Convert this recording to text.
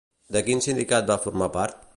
De quin sindicat va formar part?